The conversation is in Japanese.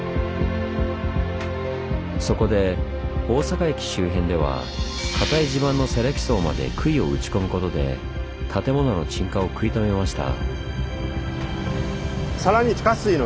そこで大阪駅周辺ではかたい地盤の砂れき層まで杭を打ち込むことで建物の沈下を食い止めました。